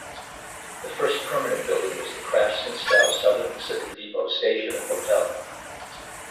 The first permanent building was the craftsman style Southern Pacific Depot station and hotel.